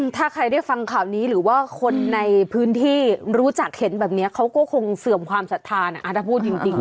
ถ้าใครได้ฟังข่าวนี้หรือว่าคนในพื้นที่รู้จักเห็นแบบนี้เขาก็คงเสื่อมความศรัทธานะถ้าพูดจริง